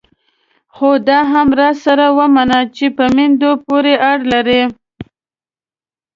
خو دا هم راسره ومنئ چې په میندو پورې اړه لري.